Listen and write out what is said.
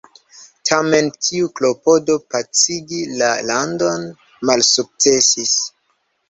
Tamen tiu klopodo pacigi la landon malsukcesis.